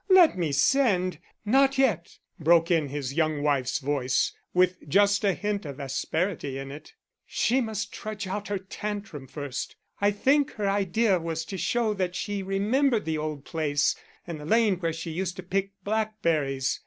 Let me send " "Not yet," broke in his young wife's voice, with just the hint of asperity in it. "She must trudge out her tantrum first. I think her idea was to show that she remembered the old place and the lane where she used to pick blackberries.